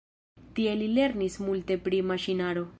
Tie li lernis multe pri maŝinaro.